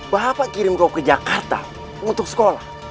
bapak kirim kau ke jakarta untuk sekolah